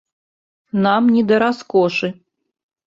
Нам не да раскошы.